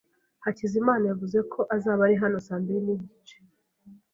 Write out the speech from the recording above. Hakizimana yavuze ko azaba ari hano saa mbiri nigice.